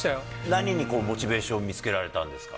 何にモチベーションを見つけられたんですか？